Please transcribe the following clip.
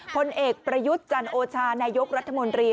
ผลเอกประยุทธ์จันโอชานายกรัฐมนตรี